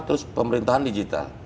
terus pemerintahan digital